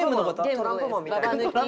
トランプマンみたいな事？